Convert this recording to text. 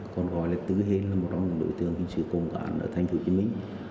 còn gọi là tứ hên là một trong những đối tượng hình sự công an ở thành phố chính minh